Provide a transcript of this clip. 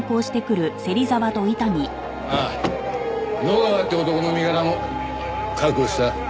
野川って男の身柄も確保した。